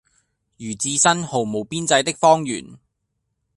如置身毫無邊際的荒原，